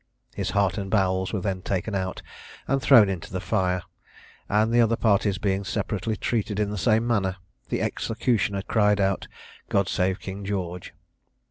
His heart and bowels were then taken out, and thrown into the fire; and the other parties being separately treated in the same manner, the executioner cried out, "God save King George!"